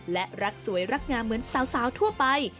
และรักสวยรักงามเหมือนสาวทั่วไป